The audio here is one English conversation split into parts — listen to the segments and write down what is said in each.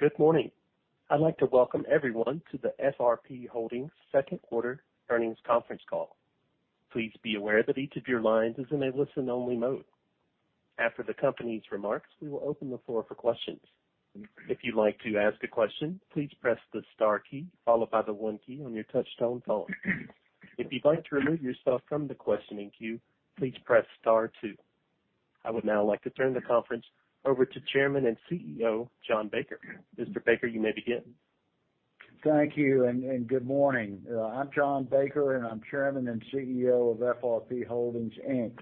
Good morning. I'd like to welcome everyone to the FRP Holdings Q2 earnings conference call. Please be aware that each of your lines is in a listen-only mode. After the company's remarks, we will open the floor for questions. If you'd like to ask a question, please press the star key followed by the one key on your touch-tone phone. If you'd like to remove yourself from the questioning queue, please press star two. I would now like to turn the conference over to Chairman and CEO, John Baker. Mr. Baker, you may begin. Thank you and good morning. I'm John Baker, and I'm Chairman and CEO of FRP Holdings, Inc.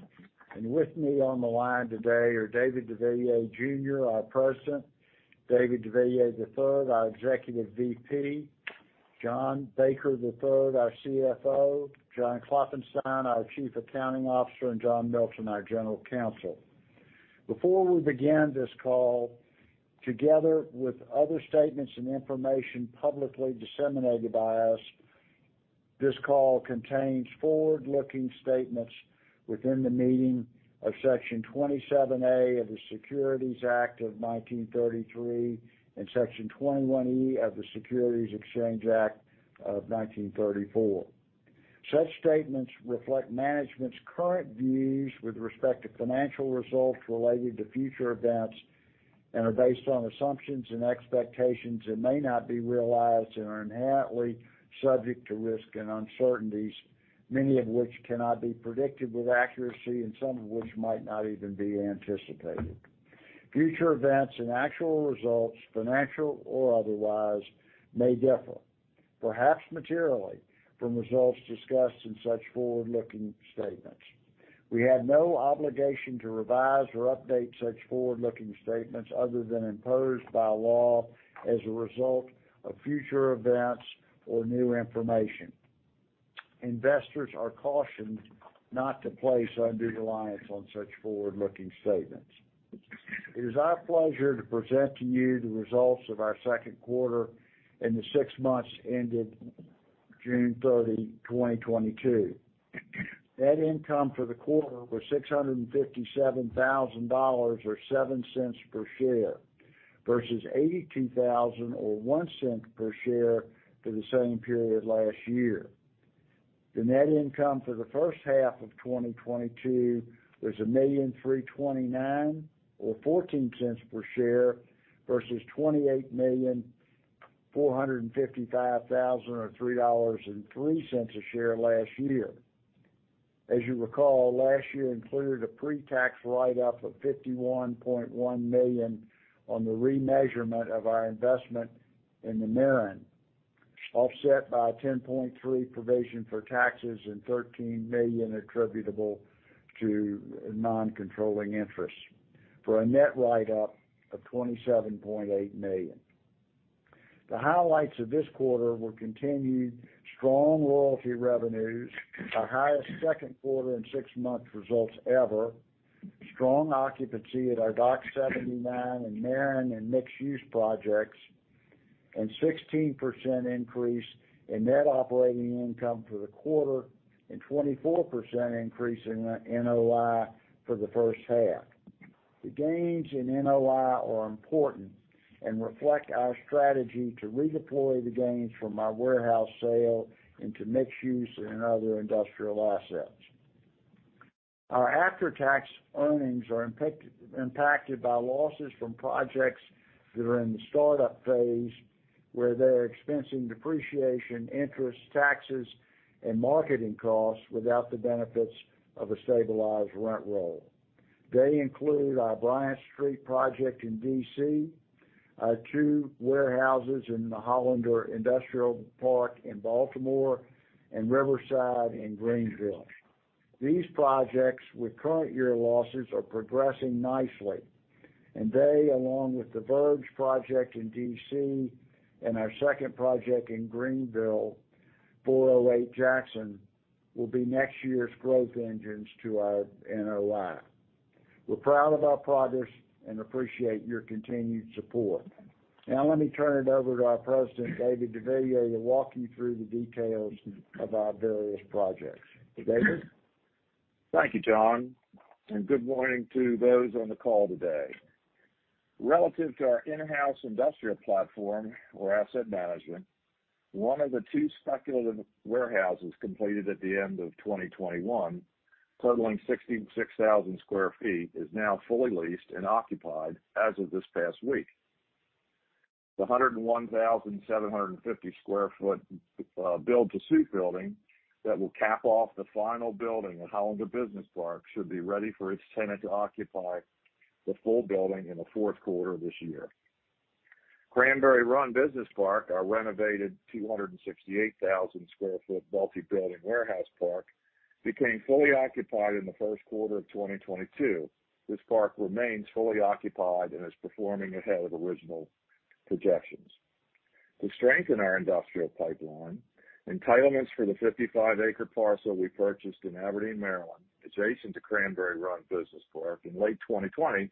With me on the line today are David H. deVilliers, Jr., our President, David deVilliers III, our Executive VP, John D. Baker III, our CFO, John D. Klopfenstein, our Chief Accounting Officer, and John D. Milton Jr., our General Counsel. Before we begin this call, together with other statements and information publicly disseminated by us, this call contains forward-looking statements within the meaning of Section 27A of the Securities Act of 1933 and Section 21E of the Securities Exchange Act of 1934. Such statements reflect management's current views with respect to financial results related to future events and are based on assumptions and expectations that may not be realized and are inherently subject to risk and uncertainties, many of which cannot be predicted with accuracy and some of which might not even be anticipated. Future events and actual results, financial or otherwise, may differ, perhaps materially, from results discussed in such forward-looking statements. We have no obligation to revise or update such forward-looking statements other than imposed by law as a result of future events or new information. Investors are cautioned not to place undue reliance on such forward-looking statements. It is our pleasure to present to you the results of our Q2 and the six months ended June 30, 2022. Net income for the quarter was $657,000, or $0.07 per share, versus $82,000 or $0.01 per share for the same period last year. Net income for the first half of 2022 was $1,329,000 or $0.14 per share versus $28,455,000 or $3.03 per share last year. As you recall, last year included a pre-tax write-up of $51.1 million on the remeasurement of our investment in The Maren, offset by a $10.3 million provision for taxes and $13 million attributable to non-controlling interests for a net write-up of $27.8 million. The highlights of this quarter were continued strong royalty revenues, our highest Q2 and six-month results ever, strong occupancy at our Dock 79 and Maren and mixed-use projects, and 16% increase in net operating income for the quarter and 24% increase in NOI for the first half. The gains in NOI are important and reflect our strategy to redeploy the gains from our warehouse sale into mixed-use and other industrial assets. Our after-tax earnings are impacted by losses from projects that are in the startup phase, where they are expensing depreciation, interest, taxes, and marketing costs without the benefits of a stabilized rent roll. They include our Bryant Street project in D.C., our two warehouses in the Hollander Business Park in Baltimore, and Riverside in Greenville. These projects with current year losses are progressing nicely, and they, along with the Verge project in D.C. and our second project in Greenville, 408 Jackson, will be next year's growth engines to our NOI. We're proud of our progress and appreciate your continued support. Now, let me turn it over to our President, David H. deVilliers III, to walk you through the details of our various projects. David? Thank you, John, and good morning to those on the call today. Relative to our in-house industrial platform or asset management, one of the two speculative warehouses completed at the end of 2021, totaling 66,000 sq ft, is now fully leased and occupied as of this past week. The 101,750 sq ft, build-to-suit building that will cap off the final building of Hollander Business Park should be ready for its tenant to occupy the full building in the Q4 of this year. Cranberry Run Business Park, our renovated 268,000 sq ft multi-building warehouse park, became fully occupied in the Q1 of 2022. This park remains fully occupied and is performing ahead of original projections. To strengthen our industrial pipeline, entitlements for the 55-acre parcel we purchased in Aberdeen, Maryland, adjacent to Cranberry Run Business Park in late 2020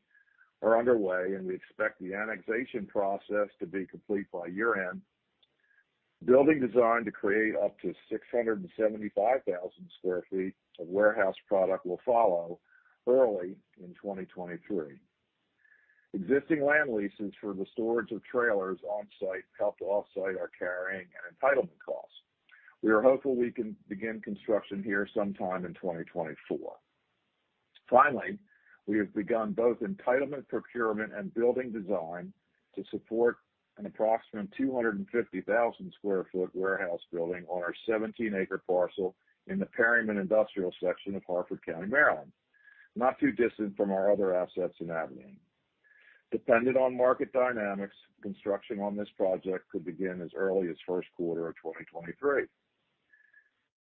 are underway, and we expect the annexation process to be complete by year-end. Building designed to create up to 675,000 sq ft of warehouse product will follow early in 2023. Existing land leases for the storage of trailers on site help to offset our carrying and entitlement costs. We are hopeful we can begin construction here sometime in 2024. Finally, we have begun both entitlement procurement and building design to support an approximate 250,000 sq ft warehouse building on our 17-acre parcel in the Perryman industrial section of Harford County, Maryland, not too distant from our other assets in Aberdeen. Depending on market dynamics, construction on this project could begin as early as Q1 of 2023.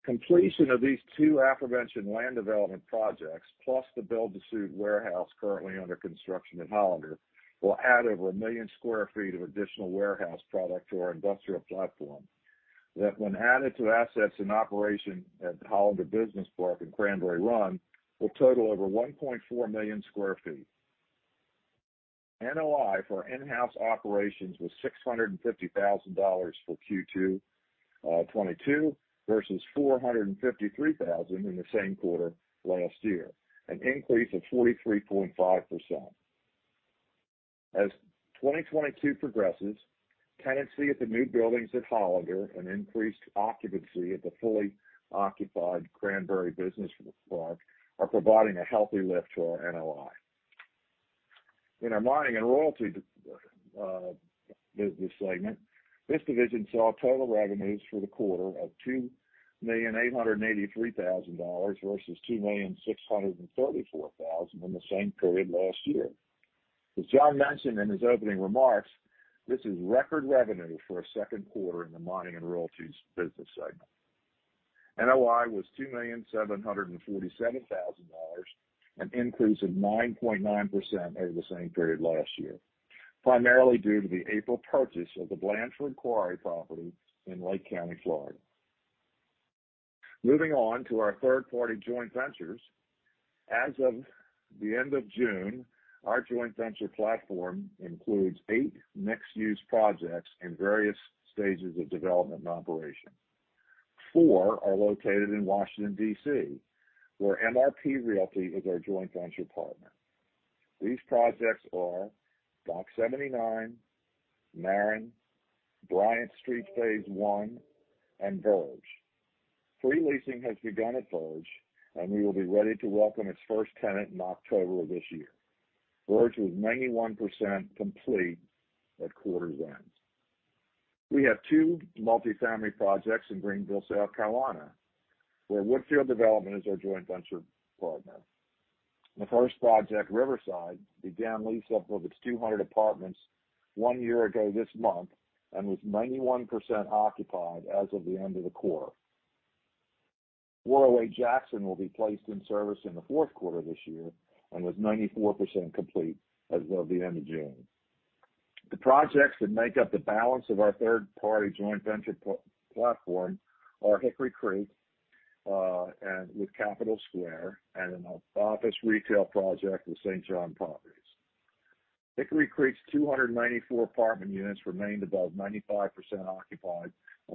Completion of these two aforementioned land development projects, plus the build to suit warehouse currently under construction at Hollander, will add over 1 million sq ft of additional warehouse product to our industrial platform that when added to assets in operation at the Hollander Business Park and Cranberry Run, will total over 1.4 million sq ft. NOI for in-house operations was $650,000 for Q2 2022 versus $453,000 in the same quarter last year, an increase of 43.5%. As 2022 progresses, tenancy at the new buildings at Hollander and increased occupancy at the fully occupied Cranberry Run Business Park are providing a healthy lift to our NOI. In our mining and royalty business segment, this division saw total revenues for the quarter of $2,883,000 versus $2,634,000 in the same period last year. As John mentioned in his opening remarks, this is record revenue for a Q2 in the mining and royalties business segment. NOI was $2,747,000, an increase of 9.9% over the same period last year, primarily due to the April purchase of the Blandford Quarry property in Lake County, Florida. Moving on to our third-party joint ventures. As of the end of June, our joint venture platform includes eight mixed-use projects in various stages of development and operation. Four are located in Washington, D.C., where MRP Realty is our joint venture partner. These projects are Dock 79, The Maren, Bryant Street phase one, and Verge. Pre-leasing has begun at Verge, and we will be ready to welcome its first tenant in October of this year. Verge was 91% complete at quarter's end. We have two multi-family projects in Greenville, South Carolina, where Woodfield Development is our joint venture partner. The first project, Riverside, began lease-up of its 200 apartments one year ago this month and was 91% occupied as of the end of the quarter. .408 Jackson will be placed in service in the Q4 this year and was 94% complete as of the end of June. The projects that make up the balance of our third-party joint venture platform are Hickory Creek, and with Capital Square and an office retail project with St. John Properties. Hickory Creek's 294 apartment units remained above 95% occupied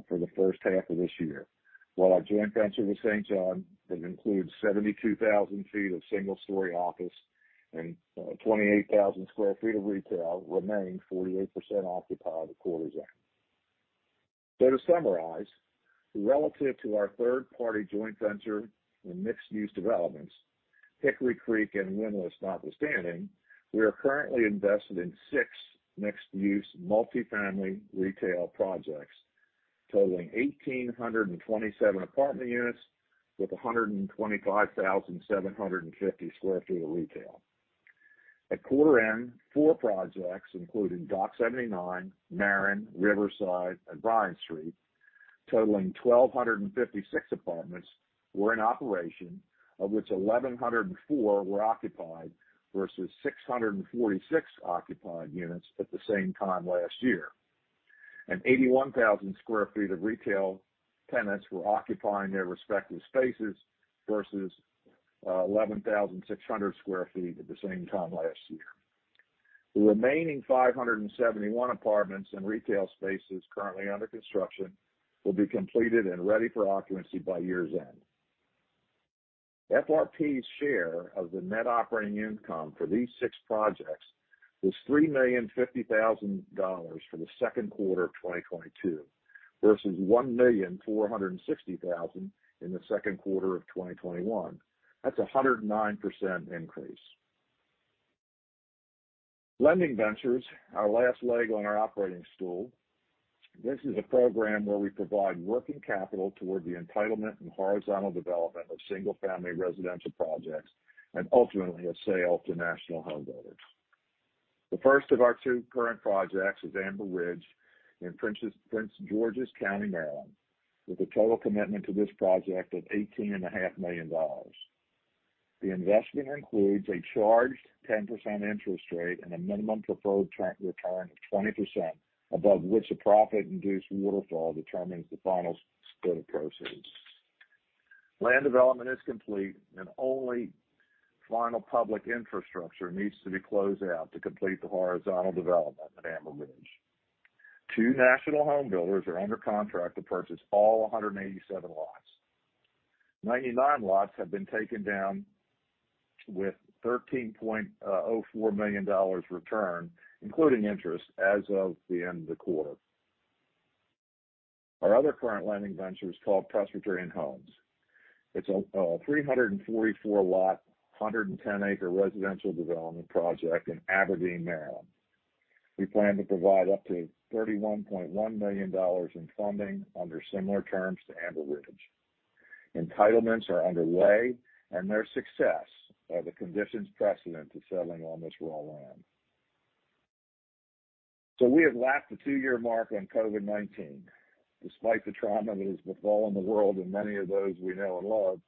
for the first half of this year. While our joint venture with St. John that includes 72,000 sq ft of single-story office and 28,000 sq ft of retail remained 48% occupied at quarter's end. To summarize, relative to our third-party joint venture in mixed-use developments, Hickory Creek and Windlass Run notwithstanding, we are currently invested in six mixed-use multifamily retail projects totaling 1,827 apartment units with 125,750 sq ft of retail. At quarter end, four projects including Dock 79, The Maren, Riverside, and Bryant Street, totaling 1,256 apartments were in operation, of which 1,104 were occupied versus 646 occupied units at the same time last year. 81,000 sq ft of retail tenants were occupying their respective spaces versus 11,600 sq ft at the same time last year. The remaining 571 apartments and retail spaces currently under construction will be completed and ready for occupancy by year's end. FRP's share of the net operating income for these six projects was $3.05 million for the Q2 of 2022 versus $1.46 million in the Q2 of 2021. That's a 109% increase. Lending Ventures, our last leg on our operating stool. This is a program where we provide working capital toward the entitlement and horizontal development of single-family residential projects and ultimately a sale to national home builders. The first of our two current projects is Amber Ridge in Prince George's County, Maryland, with a total commitment to this project of $18.5 million. The investment includes a charged 10% interest rate and a minimum preferred return of 20%, above which a profit-induced waterfall determines the final split of proceeds. Land development is complete and only final public infrastructure needs to be closed out to complete the horizontal development at Amber Ridge. Two national home builders are under contract to purchase all 187 lots. 99 lots have been taken down with $13.04 million return, including interest as of the end of the quarter. Our other current lending venture is called Presbyterian Homes. It's a 344-lot, 110-acre residential development project in Aberdeen, Maryland. We plan to provide up to $31.1 million in funding under similar terms to Amber Ridge. Entitlements are underway, and their success are the conditions precedent to settling on this raw land. We have lapped the two-year mark on COVID-19. Despite the trauma that has befallen the world and many of those we know and love,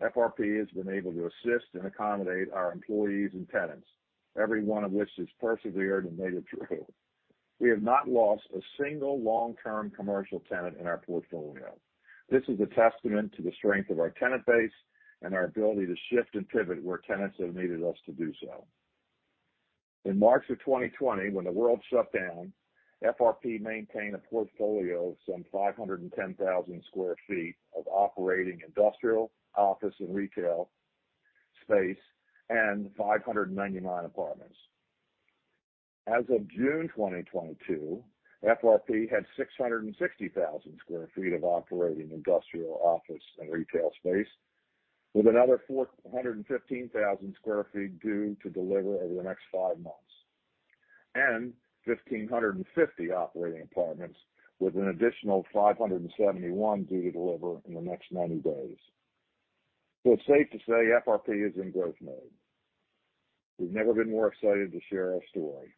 FRP has been able to assist and accommodate our employees and tenants, every one of which has persevered and made it through. We have not lost a single long-term commercial tenant in our portfolio. This is a testament to the strength of our tenant base and our ability to shift and pivot where tenants have needed us to do so. In March of 2020, when the world shut down, FRP maintained a portfolio of some 510,000 sq ft of operating industrial, office, and retail space and 599 apartments. As of June 2022, FRP had 660,000 sq ft of operating industrial, office, and retail space with another 415,000 sq ft due to deliver over the next 5 months, and 1,550 operating apartments with an additional 571 due to deliver in the next 90 days. It's safe to say FRP is in growth mode. We have never been more excited to share our story.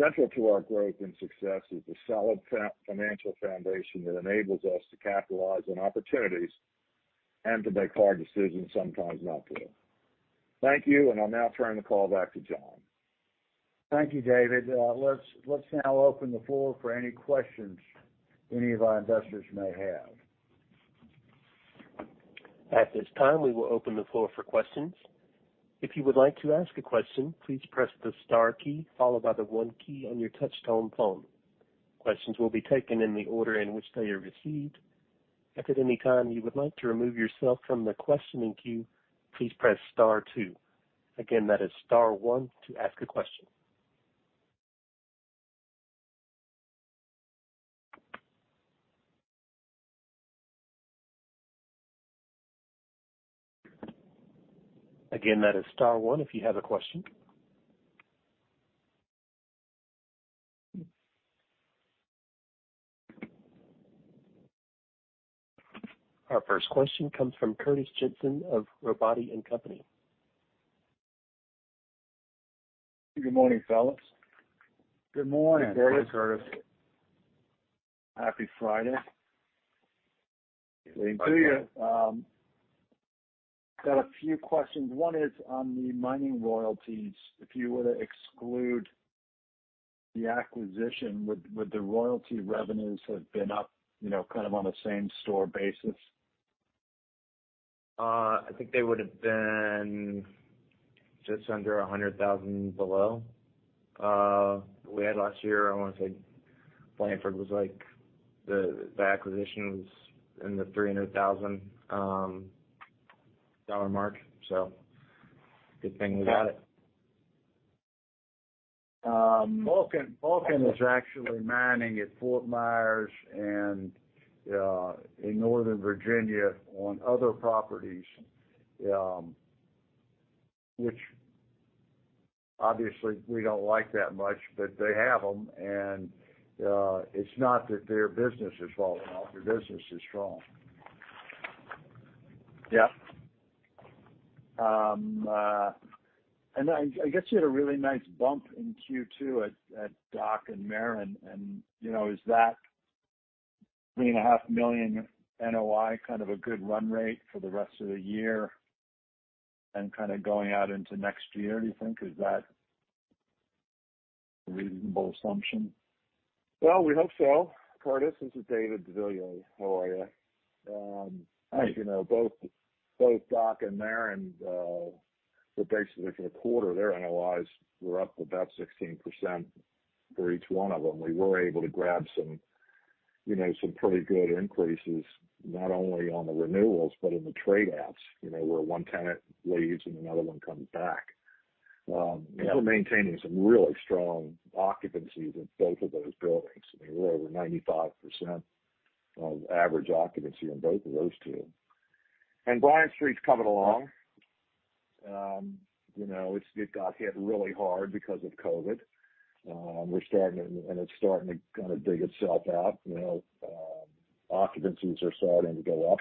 Central to our growth and success is the solid financial foundation that enables us to capitalize on opportunities and to make hard decisions sometimes not to. Thank you, and I'll now turn the call back to John. Thank you, David. Let's now open the floor for any questions any of our investors may have. At this time, we will open the floor for questions. If you would like to ask a question, please press the star key followed by the one key on your touch tone phone. Questions will be taken in the order in which they are received. If at any time you would like to remove yourself from the questioning queue, please press star two. Again, that is star one to ask a question. Again, that is star one if you have a question. Our first question comes from Curtis Jensen of Robotti & Company. Good morning, fellas. Good morning, Curtis. Hey. Happy Friday. Same to you. Likewise. Got a few questions. One is on the mining royalties. If you were to exclude the acquisition, would the royalty revenues have been up, you know, kind of on a same store basis? I think they would've been just under $100,000 below. We had last year, I wanna say Blandford was like the acquisition in the $300,000 dollar mark. Good thing we got it. Vulcan is actually mining at Fort Myers and in Northern Virginia on other properties, which obviously we don't like that much, but they have them and it's not that their business is falling off. Their business is strong. Yeah. I guess you had a really nice bump in Q2 at Dock 79 and The Maren, you know, is that $3.5 million NOI kind of a good run rate for the rest of the year and kind of going out into next year, do you think? Is that a reasonable assumption? Well, we hope so. Curtis, this is David deVilliers III. How are you? Fine. As you know, both Dock 79 and The Maren, but basically for the quarter, their NOIs were up about 16% for each one of them. We were able to grab some, you know, some pretty good increases, not only on the renewals, but in the trade outs, you know, where one tenant leaves and another one comes back. Yeah. We are maintaining some really strong occupancies in both of those buildings. I mean, we are over 95% average occupancy in both of those two. Bryant Street's coming along. It got hit really hard because of COVID. It's starting to kinda dig itself out. Occupancies are starting to go up.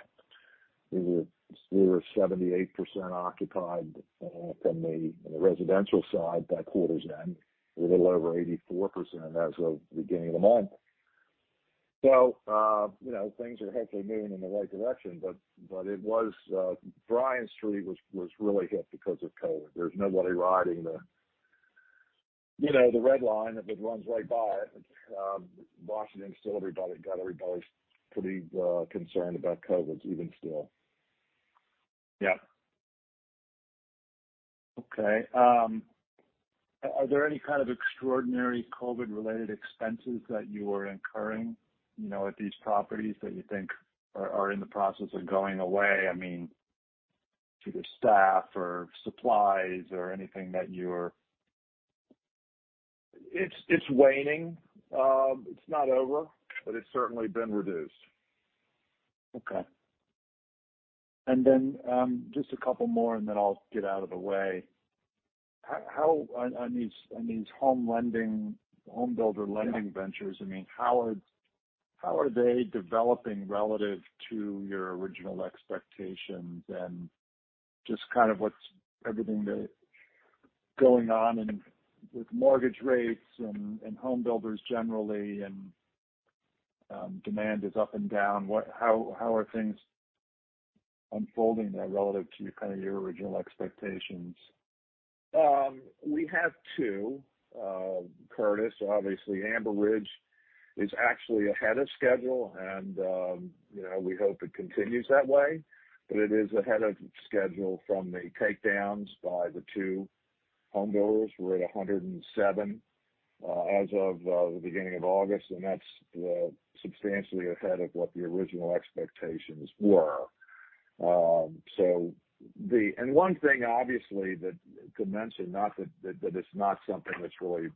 We were 78% occupied on the residential side by quarter's end, a little over 84% as of the beginning of the month. Things are hopefully moving in the right direction. Bryant Street was really hit because of COVID. There is nobody riding the Red Line that runs right by it. Washington still, everybody's pretty concerned about COVID even still. Yeah. Okay. Are there any kind of extraordinary COVID-related expenses that you are incurring, you know, at these properties that you think are in the process of going away? I mean, to the staff or supplies or anything that you are. It's waning. It's not over, but it's certainly been reduced. Okay. Just a couple more and then I'll get out of the way. On these Lending Ventures, I mean, how are they developing relative to your original expectations and just kind of what's everything that is going on with mortgage rates and home builders generally and demand is up and down. How are things unfolding there relative to kind of your original expectations? We have two, Curtis. Obviously, Amber Ridge is actually ahead of schedule and, you know, we hope it continues that way. It is ahead of schedule from the takedowns by the two home builders. We're at 107 as of the beginning of August, and that's substantially ahead of what the original expectations were. One thing obviously to mention, not that it's not something that is really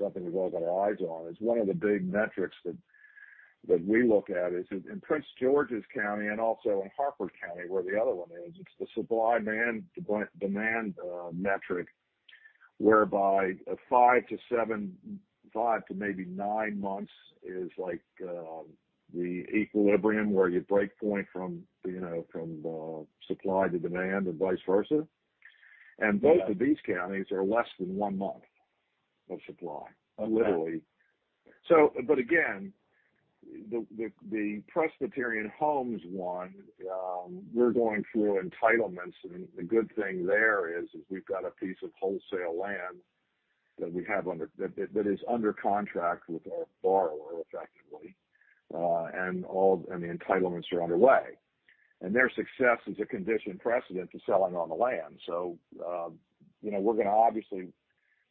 something we've all got our eyes on, is one of the big metrics that we look at in Prince George's County and also in Harford County, where the other one is. It's the supply and demand metric, whereby 5-7, maybe 9 months is the equilibrium where the breakpoint from, you know, supply to demand and vice versa. Okay. Both of these counties are less than one month of supply. Okay. Literally. Again, the Presbyterian Homes one, we're going through entitlements. The good thing there is we have got a piece of wholesale land that is under contract with our borrower, effectively. The entitlements are underway. Their success is a condition precedent to selling on the land. You know, we're gonna obviously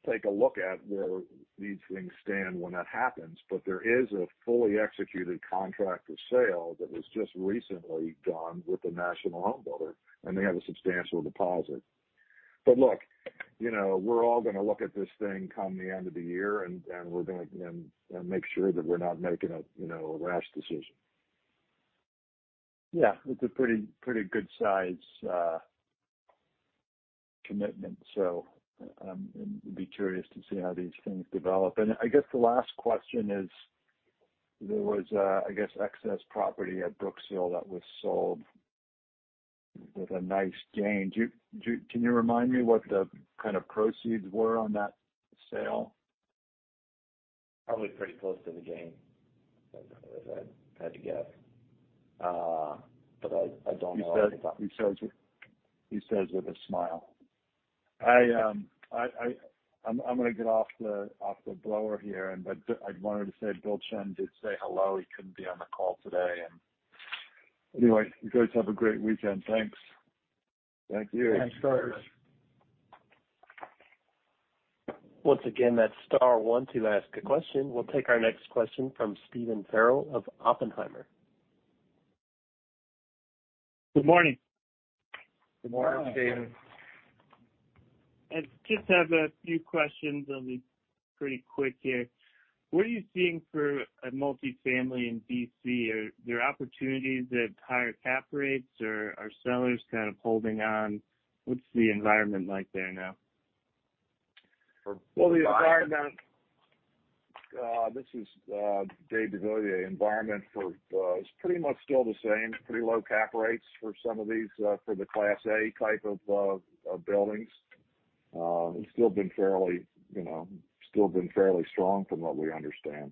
take a look at where these things stand when that happens. There is a fully executed contract for sale that was just recently done with the national home builder, and they have a substantial deposit. Look, you know, we are all gonna look at this thing come the end of the year, and we're gonna then make sure that we're not making a, you know, a rash decision. Yeah. It's a pretty good size commitment. Be curious to see how these things develop. I guess the last question is, there was, I guess, excess property at Brooksville that was sold with a nice gain. Can you remind me what the kind of proceeds were on that sale? Probably pretty close to the gain, if I had to guess. I don't know off the top- He says it with a smile. I'm gonna get off the blower here. I wanted to say Bill Chen did say hello, he couldn't be on the call today. Anyway, you guys have a great weekend. Thanks. Thank you. Thanks, Curtis. Once again, that's star one to ask a question. We will take our next question from Stephen Farrell of Oppenheimer. Good morning. Good morning, Stephen. Hi. I just have a few questions. I'll be pretty quick here. What are you seeing for a multifamily in D.C.? Are there opportunities at higher cap rates or are sellers kind of holding on? What's the environment like there now? Well, this is Dave deVilliers III. The environment for is pretty much still the same. Pretty low cap rates for some of these for the Class A type of buildings. It's still been fairly, you know, still been fairly strong from what we understand.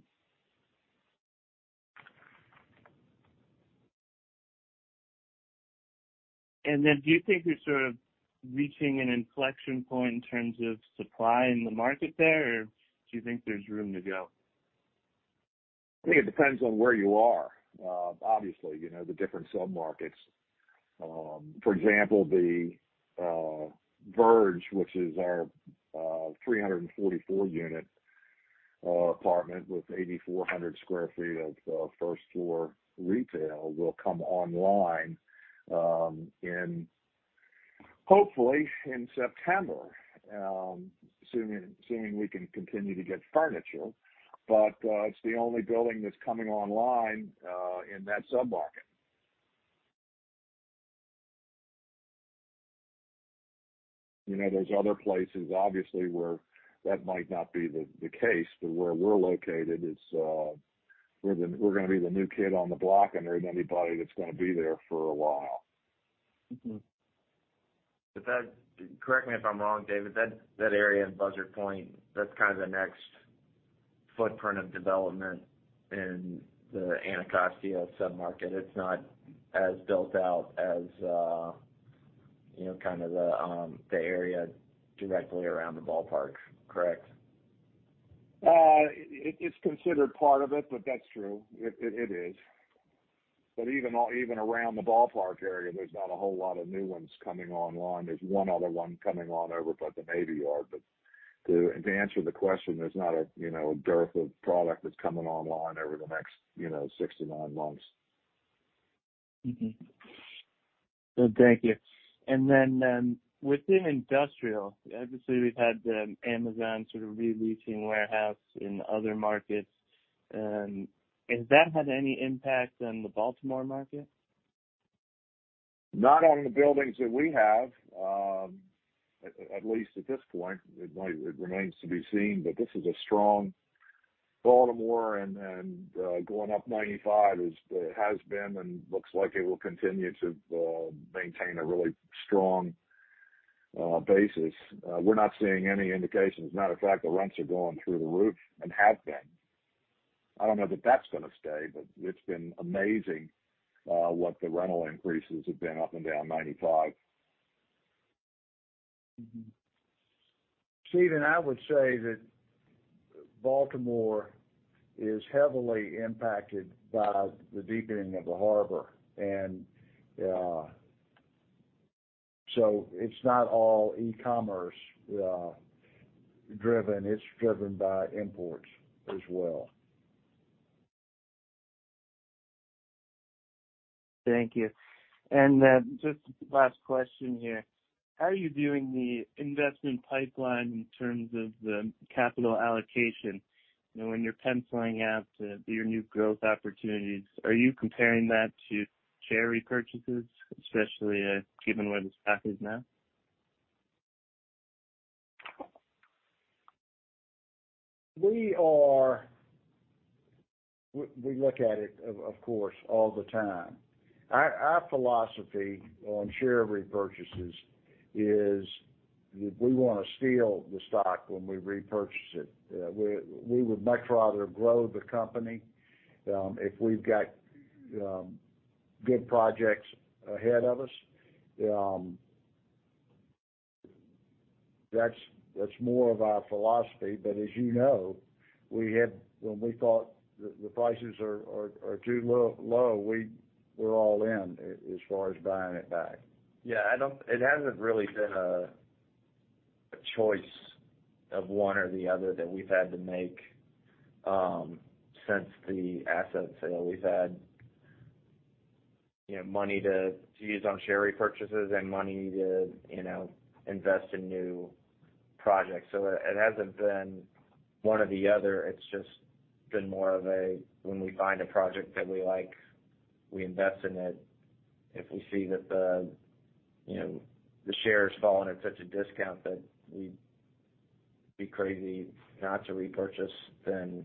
Do you think you're sort of reaching an inflection point in terms of supply in the market there, or do you think there's room to go? I think it depends on where you are. Obviously, you know, the different submarkets. For example, the Verge, which is our 344-unit apartment with 8,400 sq ft of first floor retail will come online in hopefully in September, assuming we can continue to get furniture. It's the only building that's coming online in that submarket. You know, there's other places, obviously, where that might not be the case, but where we're located is, we're gonna be the new kid on the block, and there isn't anybody that's gonna be there for a while. Correct me if I'm wrong, David, that area in Buzzard Point, that's kind of the next footprint of development in the Anacostia sub-market, it's not as built out as, you know, kind of the area directly around the ballpark, correct? It's considered part of it, but that's true. It is. Even around the ballpark area, there is not a whole lot of new ones coming online. There is one other one coming on over by the Navy Yard. To answer the question, there's not a, you know, a dearth of product that's coming online over the next, you know, 69 months. Thank you. Within industrial, obviously, we've had the Amazon sort of re-leasing warehouse in other markets. Has that had any impact on the Baltimore market? Not on the buildings that we have at least at this point. It remains to be seen, but this is a strong Baltimore and going up 95 has been and looks like it will continue to maintain a really strong basis. We are not seeing any indications. Matter of fact, the rents are going through the roof and have been. I don't know that that's gonna stay, but it's been amazing what the rental increases have been up and down 95. Mm-hmm. Stephen, I would say that Baltimore is heavily impacted by the deepening of the harbor and, so it's not all e-commerce driven. It's driven by imports as well. Thank you. Just last question here. How are you doing the investment pipeline in terms of the capital allocation? You know, when you are penciling out, your new growth opportunities, are you comparing that to share repurchases, especially given where the stock is now? We look at it of course all the time. Our philosophy on share repurchases is we wanna steal the stock when we repurchase it. We would much rather grow the company if we have got good projects ahead of us. That's more of our philosophy. As you know, when we thought the prices are too low, we're all in as far as buying it back. Yeah. It hasn't really been a choice of one or the other that we've had to make, since the asset sale. We have had, you know, money to use on share repurchases and money to, you know, invest in new projects. It hasn't been one or the other. It's just been more of a when we find a project that we like, we invest in it. If we see that the, you know, the share is falling at such a discount that we'd be crazy not to repurchase, then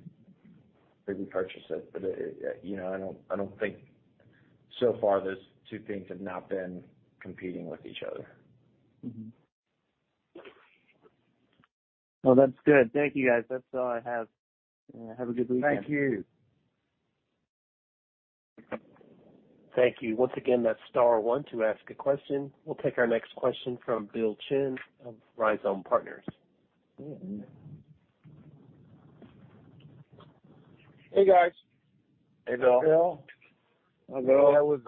we repurchase it. You know, I don't think so far those two things have not been competing with each other. Well, that's good. Thank you, guys. That's all I have. Have a good weekend. Thank you. Thank you. Once again, that's star one to ask a question. We'll take our next question from Bill Chen of Rhizome Partners. Mm-hmm. Hey, guys. Hey, Bill. Hey, Bill. Hi, Bill.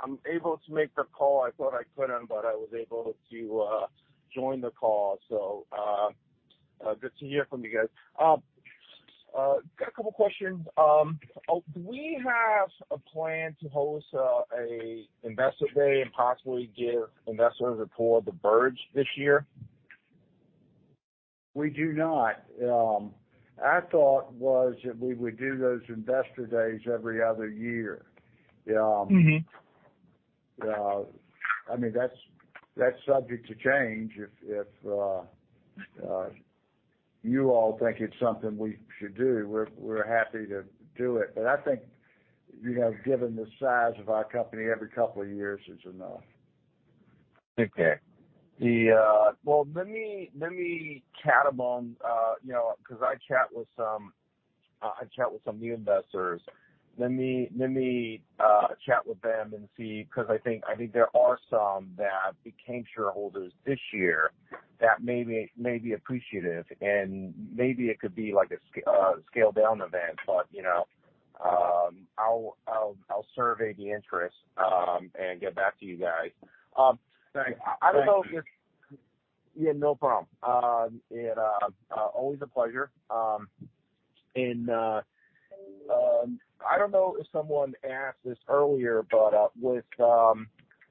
I'm able to make the call. I thought I couldn't, but I was able to join the call. Good to hear from you guys. Got a couple questions. Do we have a plan to host an investor day and possibly give investors a tour of the Verge this year? We do not. Our thought was that we would do those investor days every other year. Mm-hmm. I mean, that's subject to change. If you all think it's something we should do, we're happy to do it. But I think, you know, given the size of our company, every couple of years is enough. Okay. Well, let me chat among you know 'cause I chat with some new investors. Let me chat with them and see, 'cause I think there are some that became shareholders this year that may be appreciative, and maybe it could be like a scale-down event. You know, I'll survey the interest and get back to you guys. Thanks. I don't know if you Thank you. Yeah, no problem. Always a pleasure. I don't know if someone asked this earlier, but with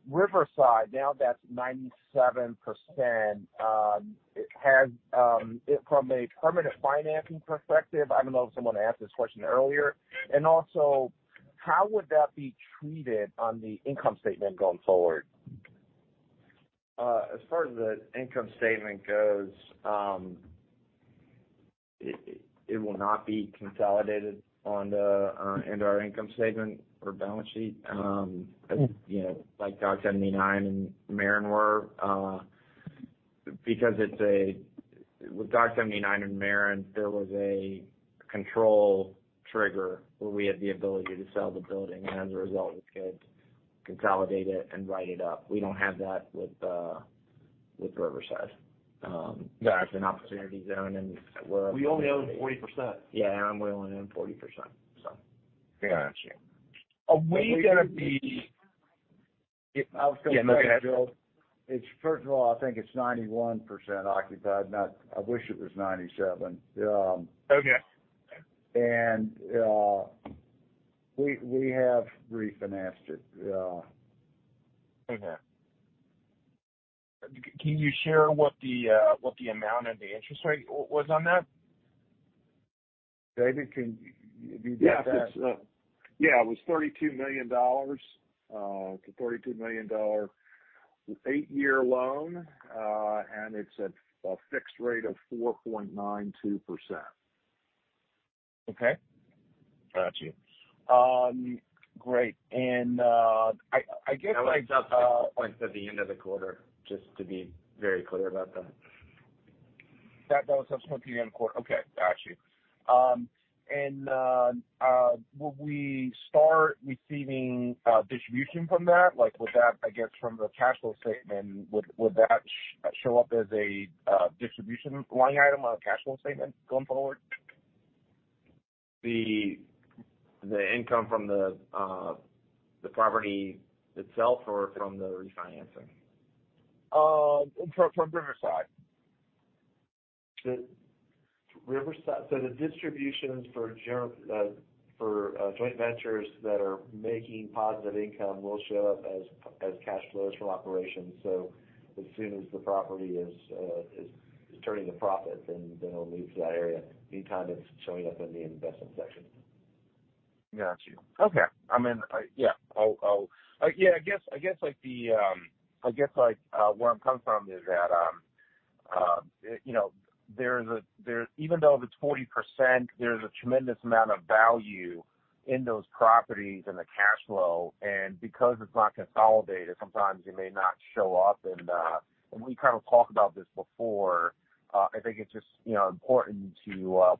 Riverside, now that's 97%, has from a permanent financing perspective, I don't know if someone asked this question earlier. Also, how would that be treated on the income statement going forward? As far as the income statement goes, it will not be consolidated into our income statement or balance sheet. Okay You know, like Dock 79 and The Maren were. With Dock 79 and The Maren, there was a control trigger where we had the ability to sell the building, and as a result, we could consolidate it and write it up. We don't have that with Riverside. That's an Opportunity Zone, and we're We only own 40%. Yeah, we only own 40%, so. Yeah, got you. Are we gonna be- I was gonna say, Bill, it's first of all, I think it's 91% occupied, not. I wish it was 97%. Okay. We have refinanced it. Okay. Can you share what the amount and the interest rate was on that? David, do you get that? Yes, it was $32 million. It's a $32 million eight-year loan, and it's at a fixed rate of 4.92%. Okay. Got you. Great. I guess, like That was up 6 points at the end of the quarter, just to be very clear about that. That was up six points at the end of quarter. Okay, got you. Will we start receiving distribution from that? Like, would that, I guess, from the cash flow statement, would that show up as a distribution line item on a cash flow statement going forward? The income from the property itself or from the refinancing? From Riverside. The Riverside. The distributions for joint ventures that are making positive income will show up as cash flows from operations. As soon as the property is turning a profit, then it'll move to that area. Meantime, it's showing up in the investment section. Got you. Okay. I mean, where I'm coming from is that, you know, even though if it's 40%, there's a tremendous amount of value in those properties and the cash flow, and because it's not consolidated, sometimes it may not show up. We kind of talked about this before. I think it's just, you know, important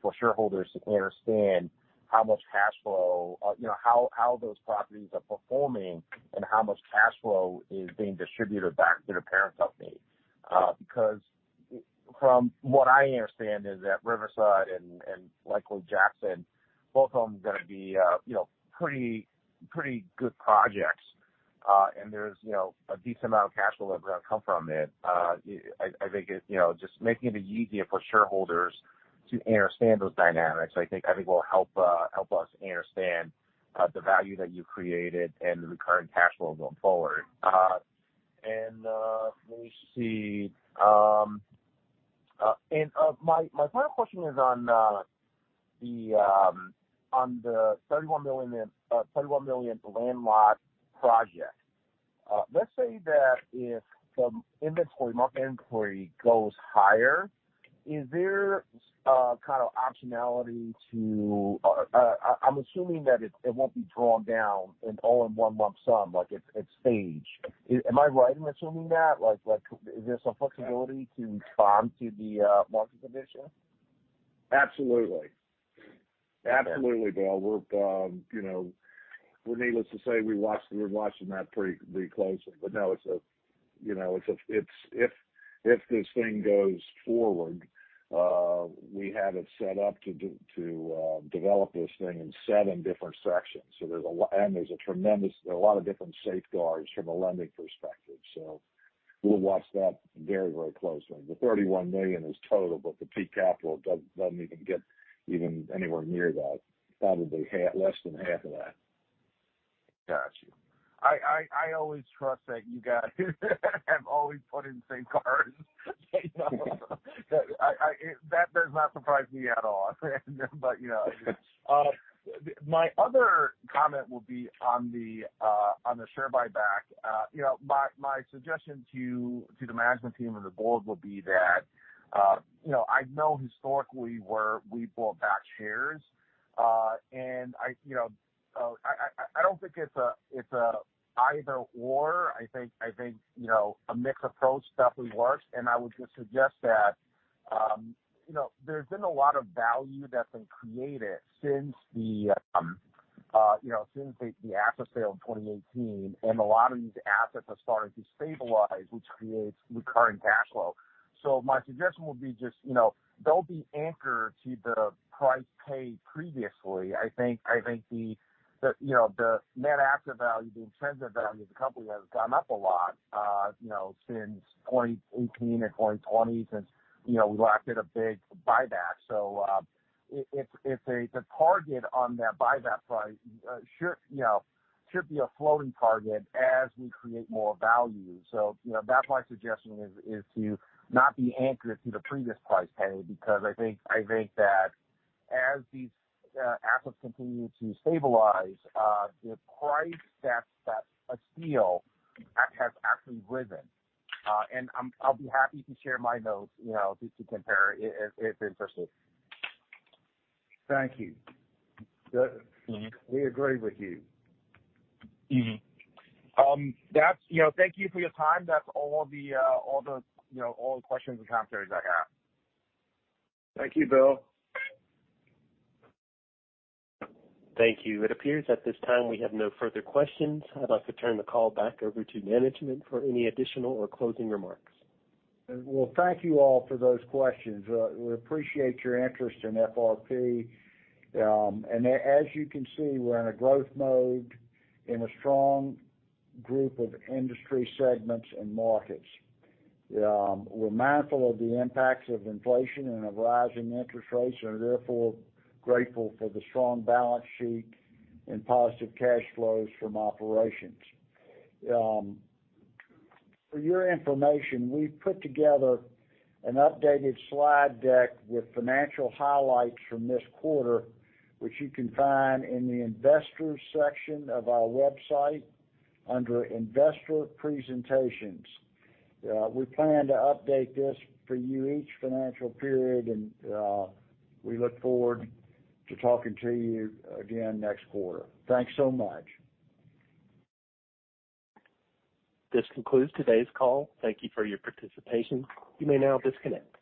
for shareholders to understand how much cash flow, you know, how those properties are performing and how much cash flow is being distributed back to the parent company. Because from what I understand is that Riverside and 408 Jackson, both of them gonna be, you know, pretty, pretty good projects. There is, you know, a decent amount of cash flow that will come from it. I think, you know, just making it easier for shareholders to understand those dynamics, I think, will help us understand the value that you created and the recurring cash flow going forward. Let me see. My final question is on the $31 million land lot project. Let's say that if some market inventory goes higher, is there kind of optionality? I'm assuming that it won't be drawn down all in one lump sum, like it's staged. Am I right in assuming that? Like, is there some flexibility to respond to the market condition? Absolutely, Bill. We are needless to say watching that pretty closely. No, if this thing goes forward, we have it set up to develop this thing in seven different sections. There are a lot of different safeguards from a lending perspective. We'll watch that very, very closely. The $31 million is total, but the peak capital doesn't even get anywhere near that, probably less than half of that. Got you. I always trust that you guys have always put in safeguards. You know. That does not surprise me at all. You know. My other comment would be on the share buyback. You know, my suggestion to the management team and the board would be that, you know, I know historically when we bought back shares. I don't think it's an either/or. I think, you know, a mixed approach definitely works. I would just suggest that, you know, there's been a lot of value that's been created since the, you know, since the asset sale in 2018. A lot of these assets have started to stabilize, which creates recurring cash flow. My suggestion would be just, you know, don't be anchored to the price paid previously. I think the net asset value, the intrinsic value of the company has gone up a lot, you know, since 2018 and 2020, you know, we last did a big buyback. If the target on that buyback price should be a floating target as we create more value. You know, that's my suggestion is to not be anchored to the previous price paid because I think that as these assets continue to stabilize, the price that is still has actually risen. I'll be happy to share my notes, you know, just to compare if you're interested. Thank you. Mm-hmm. We agree with you. That's, you know, thank you for your time. That's all the, you know, questions and comments I have. Thank you, Bill. Thank you. It appears at this time we have no further questions. I'd like to turn the call back over to management for any additional or closing remarks. Well, thank you all for those questions. We appreciate your interest in FRP. As you can see, we're in a growth mode in a strong group of industry segments and markets. We're mindful of the impacts of inflation and of rising interest rates, and therefore grateful for the strong balance sheet and positive cash flows from operations. For your information, we have put together an updated slide deck with financial highlights from this quarter, which you can find in the Investors section of our website under Investor Presentations. We plan to update this for you each financial period, and we look forward to talking to you again next quarter. Thanks so much. This concludes today's call. Thank you for your participation. You may now disconnect.